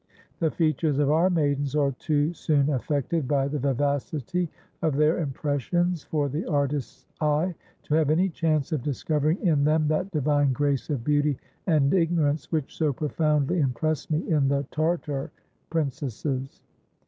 The features of our maidens are too soon affected by the vivacity of their impressions, for the artist's eye to have any chance of discovering in them that divine grace of beauty and ignorance which so profoundly impressed me in the Tartar princesses.